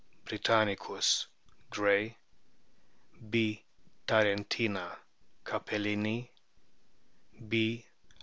britannicus, Gray; B. tarcntina, Capellini ; B.